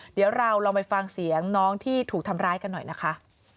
เดี๋ยวเราลองไปฟังเสียงน้องที่ถูกทำร้ายกันหน่อยนะคะ